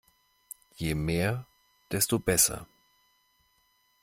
Je mehr, desto besser.